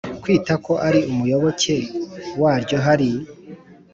kwitwa ko ari umuyoboke waryo Hari